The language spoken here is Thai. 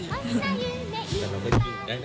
มันก็จะมีข้าวโหม๒ถูกนะคะ